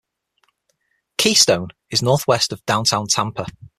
Keystone is northwest of downtown Tampa.